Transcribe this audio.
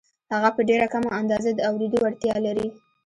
هغه په ډېره کمه اندازه د اورېدو وړتیا لري